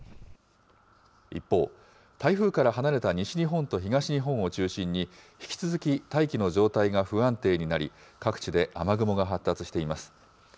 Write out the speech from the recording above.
一方、台風から離れた西日本と東日本を中心に、引き続き大気の状態が不安定になり、各地で雨雲が発達しています。